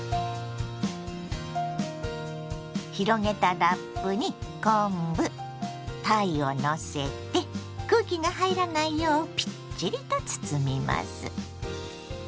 広げたラップに昆布たいをのせて空気が入らないようぴっちりと包みます。